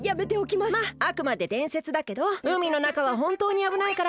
まっあくまででんせつだけどうみのなかはほんとうにあぶないから。